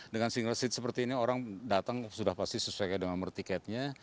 dengan single seat seperti ini orang datang sudah pasti sesuai dengan nomor tiketnya